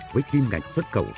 với kim ngạch xuất khẩu